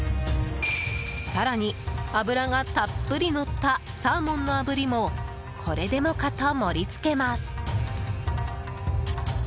更に脂がたっぷりのったサーモンの炙りもこれでもかと盛り付けます。